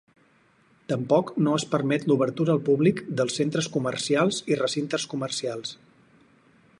Tampoc no es permet l’obertura al públic dels centres comercials i recintes comercials.